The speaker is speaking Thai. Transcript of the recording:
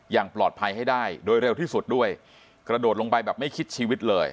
อย่างปลอดภัยให้ได้โดยเร็วที่สุดด้วยกระโดดลงไปแบบไม่คิดชีวิตเลย